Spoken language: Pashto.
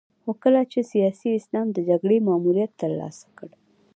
خو کله چې سیاسي اسلام د جګړې ماموریت ترلاسه کړ.